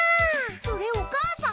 それお母さん？